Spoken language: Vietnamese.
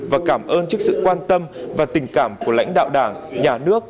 và cảm ơn trước sự quan tâm và tình cảm của lãnh đạo đảng nhà nước